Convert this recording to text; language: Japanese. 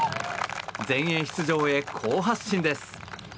全英出場へ好発進です。